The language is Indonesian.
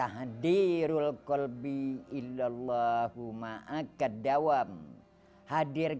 hadirkan olehmu akan hatimu